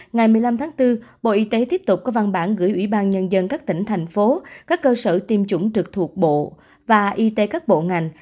ngày một mươi năm tháng bốn bộ y tế tiếp tục có văn bản gửi ủy ban nhân dân các tỉnh thành phố các cơ sở tiêm chủng trực thuộc bộ và y tế các bộ ngành